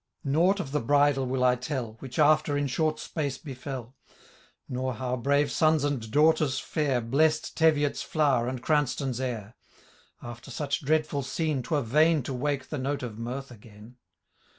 Nought of the bridal will I tell. Which after in short space befell ; Nor how brave sons and daughters &ir BlessM Teviot's Flower and Cranstoun^s heir : After such dreadful scene, twere vain To wake the note of mirth again.